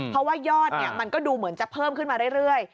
เพราะว่ายอดมันก็ดูเหมือนจะเพิ่มขึ้นมาเรื่อย